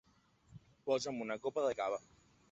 Posa'm una copa de cava!